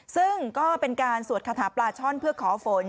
ซึ่งก็เป็นการสวดคาถาปลาช่อนเพื่อขอฝน